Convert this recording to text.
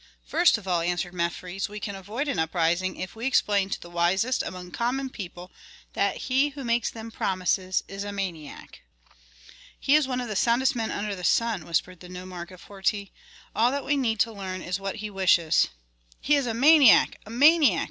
"First of all," answered Mefres, "we can avoid an uprising if we explain to the wisest among common people that he who makes them promises is a maniac." "He is one of the soundest men under the sun," whispered the nomarch of Horti. "All that we need is to learn what he wishes." "He is a maniac! a maniac!"